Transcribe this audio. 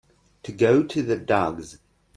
To go to the dogs.